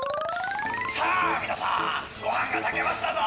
さあみなさんごはんがたけましたぞ！